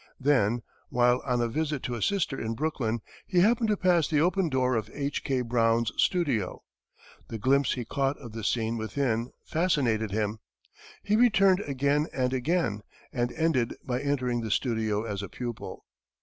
Then, while on a visit to a sister in Brooklyn, he happened to pass the open door of H. K. Brown's studio. The glimpse he caught of the scene within fascinated him; he returned again and again, and ended by entering the studio as a pupil.